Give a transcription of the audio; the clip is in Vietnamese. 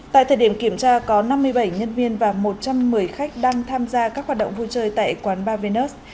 tại thời điểm kiểm tra có năm mươi bảy nhân viên và một trăm một mươi khách đang tham gia các hoạt động vui chơi tại quán ba vnut